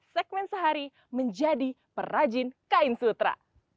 segment sehari menjadi perrajin kain sutra